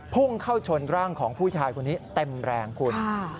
พุ่งเข้าชนร่างของผู้ชายคนนี้เต็มแรงคุณ